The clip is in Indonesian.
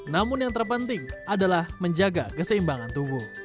namun yang terpenting adalah menjaga keseimbangan tubuh